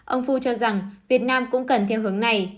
ông fu cho rằng việt nam cũng cần theo hướng này